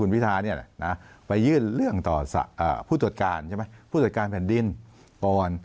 ไปยื่นเรื่องต่อผู้ตรวจการใช่ไหมผู้ตรวจการแผ่นดินก่อน